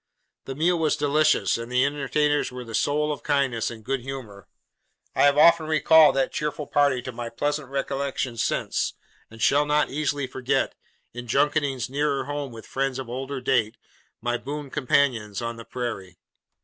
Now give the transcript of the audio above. The meal was delicious, and the entertainers were the soul of kindness and good humour. I have often recalled that cheerful party to my pleasant recollection since, and shall not easily forget, in junketings nearer home with friends of older date, my boon companions on the Prairie.